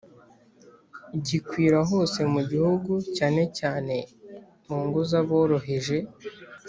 gikwira hose mu gihugu, cyane cyane mu ngo z’aboroheje